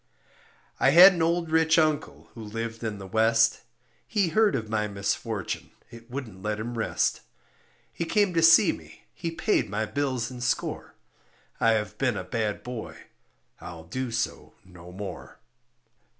I had an old rich uncle, who lived in the West, He heard of my misfortune, it wouldn't let him rest; He came to see me, he paid my bills and score, I have been a bad boy, I'll do so no more.